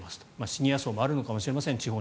シニア層もあるのかもしれません。